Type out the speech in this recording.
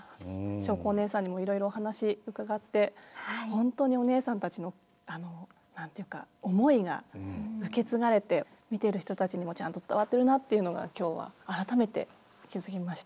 しょうこお姉さんにもいろいろお話伺ってホントにお姉さんたちの何て言うか思いが受け継がれて見ている人たちにもちゃんと伝わっているなっていうのが今日改めて気付きました。